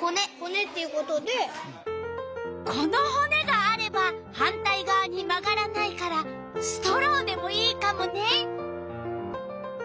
このほねがあれば反対がわに曲がらないからストローでもいいカモね。